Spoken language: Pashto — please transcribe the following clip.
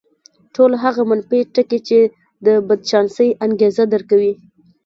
ټول هغه منفي ټکي چې د بدچانسۍ انګېزه درکوي.